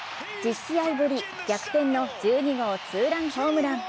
１０試合ぶり、逆転の１２号ツーランホームラン。